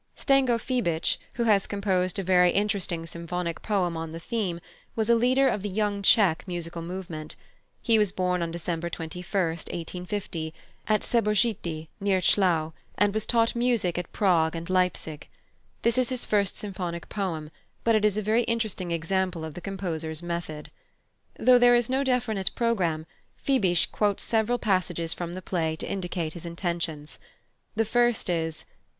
+Zdenko Fibich+, who has composed a very interesting symphonic poem on the theme, was a leader of the "Young Czech" musical movement. He was born on December 21, 1850, at Seborschity, near Tschlau, and was taught music at Prague and Leipsic. This is his first symphonic poem, but it is a very interesting example of the composer's method. Though there is no definite programme, Fibich quotes several passages from the play to indicate his intentions. The first is